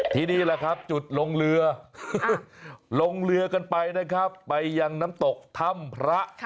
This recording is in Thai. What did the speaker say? นี่แหละครับจุดลงเรือลงเรือกันไปนะครับไปยังน้ำตกถ้ำพระ